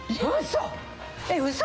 嘘！